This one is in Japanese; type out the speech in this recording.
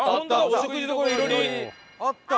「お食事処いろり」あった。